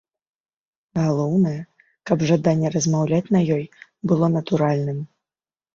Галоўнае, каб жаданне размаўляць на ёй было натуральным.